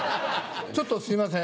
ちょっとすいません